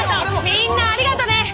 みんなありがとねぇ。